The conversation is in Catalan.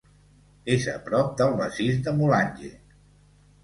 És a prop del massís de Mulanje.